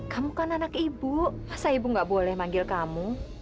kamu kan anak ibu masa ibu gak boleh manggil kamu